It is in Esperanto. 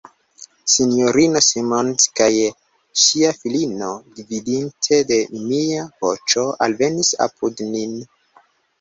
S-ino Simons kaj ŝia filino, gvidite de mia voĉo, alvenis apud nin.